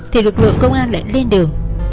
thì lực lượng công an lại lên đường